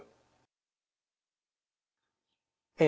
THE END.